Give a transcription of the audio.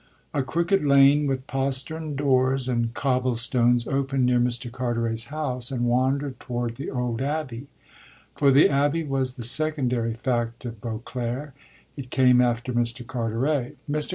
A crooked lane, with postern doors and cobble stones, opened near Mr. Carteret's house and wandered toward the old abbey; for the abbey was the secondary fact of Beauclere it came after Mr. Carteret. Mr.